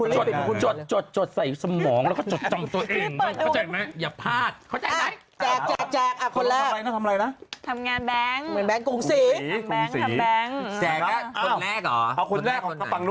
จะติดจดให้ใส่สมองแล้วก็จดตำตัวเอง